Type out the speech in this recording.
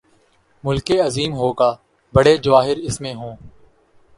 ملک عظیم ہو گا، بڑے جواہر اس میں ہوں۔